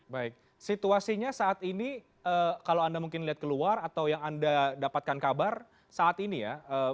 baik situasinya saat ini kalau anda mungkin lihat keluar atau yang anda dapatkan kabar saat ini ya